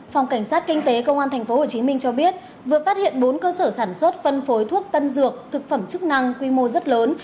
phòng cảnh sát kinh tế công an tp hcm cho biết vừa phát hiện bốn cơ sở sản xuất phân phối thuốc tân dược thực phẩm chức năng quy mô rất lớn